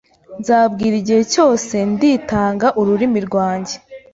Nzabwira igihe cyose ndi tanga ururimi rwanjye